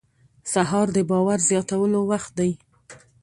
سهار د باور زیاتولو وخت دی.